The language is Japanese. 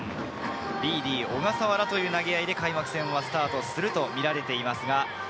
ビーディ、小笠原という投げ合いで開幕戦はスタートする見方があります。